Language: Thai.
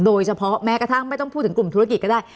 โดยเฉพาะแม้กระทั่งไม่ต้องพูดถึงกลุ่มธุรกิจก็ได้